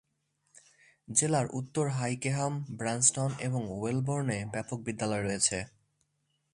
জেলার উত্তর হাইকেহাম, ব্রান্সটন এবং ওয়েলবোর্নে ব্যাপক বিদ্যালয় রয়েছে।